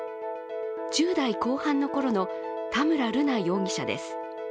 １０代後半のころの田村瑠奈容疑者です。